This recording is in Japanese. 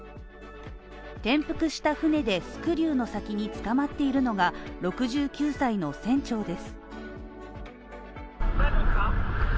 転覆した船でスクリューの先につかまっているのが、６９歳の船長です。